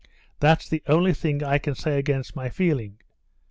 That's the only thing I can say against my feeling....